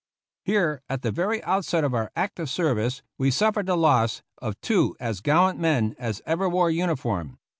Here, at the very outset of our active service, we suffered the loss of two as gallant men as ever wore uniform.